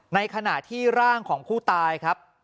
ในขณะที่ร่างของผู้ตายครับ